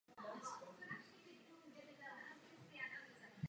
Platnost této věty je ekvivalentní axiomu výběru.